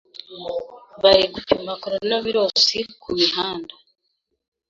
Bari gupima Coronavirus ku mihanda